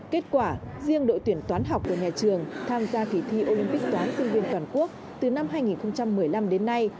kết quả riêng đội tuyển toán học của nhà trường tham gia kỳ thi olympic toán sinh viên toàn quốc từ năm hai nghìn một mươi năm đến nay